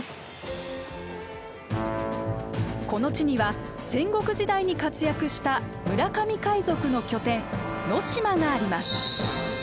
この地には戦国時代に活躍した村上海賊の拠点能島があります。